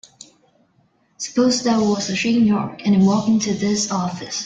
Suppose there was a Shane York and he walked into this office.